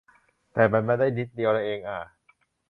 แต่แบตมันได้นิดเดียวเองอ่า